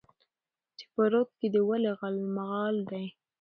چې په رود کې ولې غالمغال دى؟